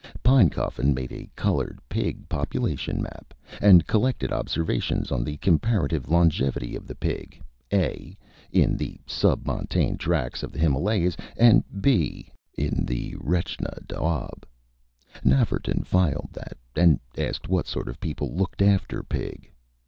Pinecoffin made a colored Pig population map, and collected observations on the comparative longevity of the Pig (a) in the sub montane tracts of the Himalayas, and (b) in the Rechna Doab. Nafferton filed that, and asked what sort of people looked after Pig.